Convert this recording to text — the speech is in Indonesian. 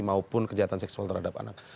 maupun kejahatan seksual terhadap anak